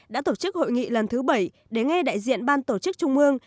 đã tổ chức hội nghị lần thứ bảy để nghe đại diện ban tổ chức trung ương